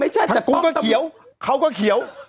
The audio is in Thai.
ทางกุ้งก็เขียวเขาก็เขียว